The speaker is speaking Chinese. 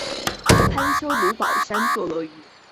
潘丘卢保山坐落于苏门答腊多巴湖附近。